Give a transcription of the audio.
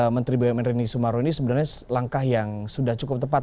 menteri bumn rini sumarro ini sebenarnya langkah yang sudah cukup tepat